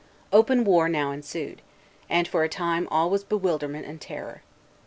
Open war now ensued, and for a time all was bewilderment and terror.